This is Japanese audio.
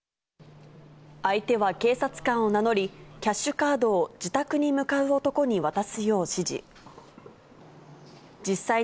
相手は警察官を名乗り、キャッシュカードを自宅に向かう男に渡すよう指示。